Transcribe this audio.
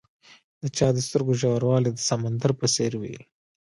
د چا د سترګو ژوروالی د سمندر په څېر وي.